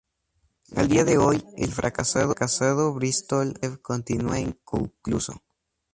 Al día de hoy, el fracasado Bristol Center continúa inconcluso.